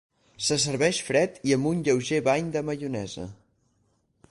Se serveix fred i amb un lleuger bany de maionesa.